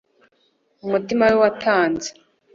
Umutima we watanze